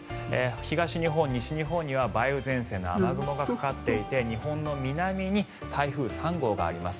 東日本、西日本には梅雨前線の雨雲がかかっていて日本の南に台風３号があります。